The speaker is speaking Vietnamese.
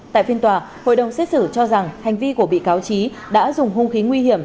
tại phiên tòa hội đồng xét xử cho rằng hành vi của bị cáo trí đã dùng hung khí nguy hiểm